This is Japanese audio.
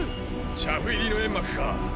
チャフ入りの煙幕か。